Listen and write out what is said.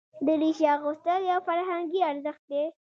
دریشي اغوستل یو فرهنګي ارزښت دی.